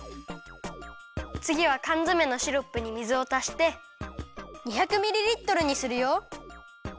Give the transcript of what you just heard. つぎはかんづめのシロップに水をたして２００ミリリットルにするよ。